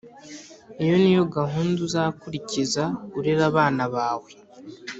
Iyo ni gahunda uzakurikiza urera abana bawe